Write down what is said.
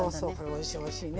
おいしいおいしい。ね。